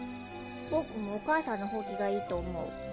僕もお母さんのホウキがいいと思う。